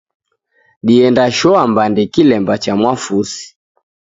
Diende shoa mbande kilemba cha Mwafusi.